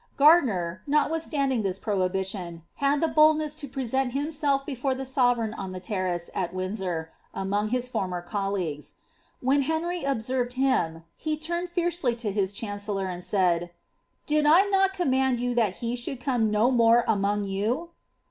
Gardiner, notwithstanding this prohibition^ had the boldnefl to present himself before the sovereigrn on the terrace at WindsoTt among his former colleagues. When Henr}' observed him, he turned *Spcc'i. HerbiTi. Fox. RapUi. KATHAKINB PAKE'. veely to his chancellor, and said, ^ Did I not command you that he ould come no more among you